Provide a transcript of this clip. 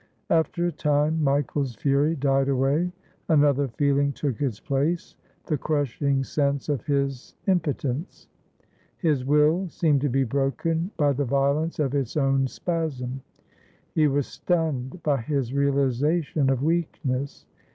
After a time Michael's fury died away. Another feel ing took its place — the crushing sense of his impotence. His will seemed to be broken by the violence of its own spasm. He was stunned by his realization of weakness.